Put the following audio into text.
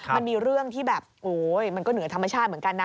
มันมีเรื่องที่แบบโอ๊ยมันก็เหนือธรรมชาติเหมือนกันนะ